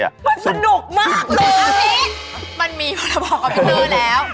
มันสนุกมากเลยอัพิกมันมีพรบกับพี่เฟอร์แล้ว